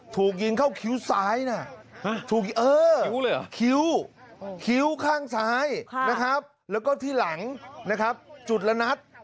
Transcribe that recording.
ถูกยิงเข้าคิ้วซ้ายนะคิ้วข้างซ้ายแล้วก็ที่หลังจุดละนัด